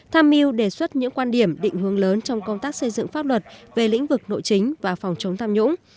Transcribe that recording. tham mưu đề xuất những quan điểm định hướng lớn trong công tác xây dựng pháp luật về lĩnh vực nội chính và phòng chống tham nhũng